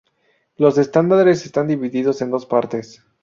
Los Estándares están divididos en dos partes.